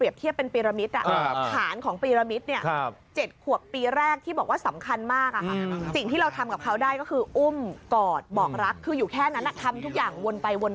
บอกรักคืออยู่แค่นั้นน่ะทำทุกอย่างวนไป